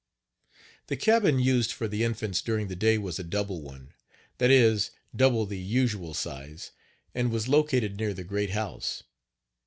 The cabin used for the infants during the day was a double one, that is, double the usual size, and was located near the great house.